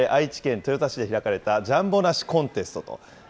愛知県豊田市で開かれたジャンボ梨コンテスト。